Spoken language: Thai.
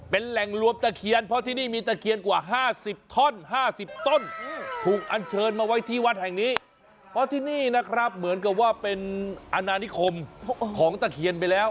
เป็นแหล่งรวมตะเคียนเพราะที่นี่มีตะเคียนกว่า๕๐ท่อนห้าสิบต้นถูกอันเชิญมาไว้ที่วัดแห่งนี้เพราะที่นี่นะครับเหมือนกับว่าเป็นอาณานิคมของตะเคียนไปแล้ว